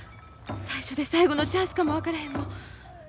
最初で最後のチャンスかも分かれへんもん。